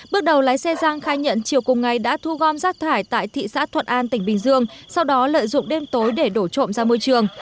bước đầu lái xe giang khai nhận chiều cùng ngày đã thu gom rác thải tại thị xã thuận an tỉnh bình dương sau đó lợi dụng đêm tối để đổ trộm ra môi trường